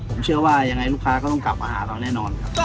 ผมเชื่อว่ายังไงลูกค้าก็ต้องกลับมาหาเราแน่นอนครับ